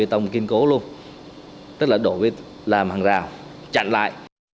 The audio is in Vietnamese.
xong kiên cố luôn tức là đổ viết làm hàng rào chặn lại